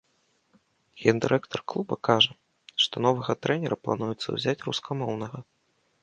Гендырэктар клуба кажа, што новага трэнера плануецца ўзяць рускамоўнага.